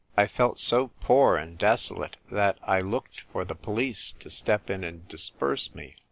I felt so poor and desolate that I looked for the police to step in and disperse me.